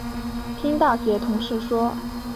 听大学同事说